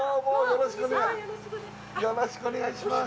よろしくお願いします